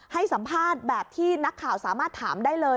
ให้สัมภาษณ์แบบที่นักข่าวสามารถถามได้เลย